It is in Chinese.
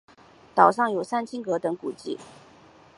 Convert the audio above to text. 岛上有三清阁等古迹。